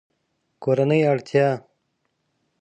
کورنۍ اړتیا